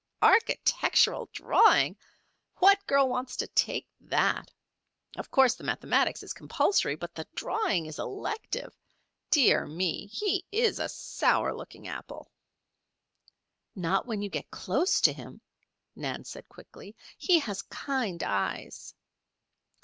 'Architectural drawing'! What girl wants to take that? Of course, the mathematics is compulsory, but the drawing is elective. Dear me! he's a sour looking apple." "Not when you get close to him," Nan said quickly. "He has kind eyes."